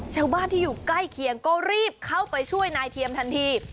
ชาวบ้านที่อยู่ใกล้เคียงก็รีบเข้าไปช่วยนายเทียมทันที